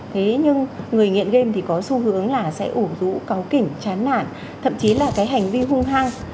thế nhưng người nghiện game thì có xu hướng là sẽ ủ rũ cắn kỉnh chán nản thậm chí là cái hành vi hung hăng